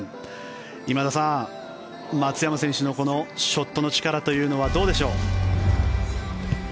今田さん、松山選手のこのショットの力というのはどうでしょう。